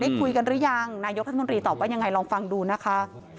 คุยกันหรือยังนายกรัฐมนตรีตอบว่ายังไงลองฟังดูนะคะ